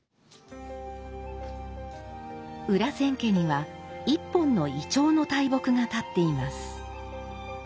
裏千家には１本の銀杏の大木が立っています。